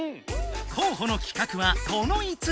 こうほの企画はこの５つ。